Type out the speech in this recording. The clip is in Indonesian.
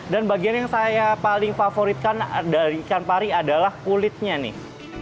dan bagian yang saya paling favoritkan dari ikan pari adalah kulitnya nih